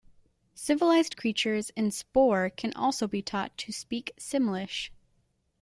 Civilized Creatures in "Spore" can also be taught to speak Simlish.